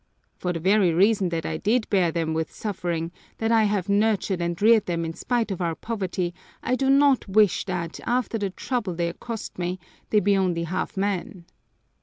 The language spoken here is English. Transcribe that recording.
"For the very reason that I did bear them with suffering, that I have nurtured and reared them in spite of our poverty, I do not wish that, after the trouble they're cost me, they be only half men."